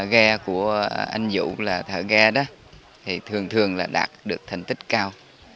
ghe của anh vũ là thợ ghe đó thì thường thường là đạt được thành tích cao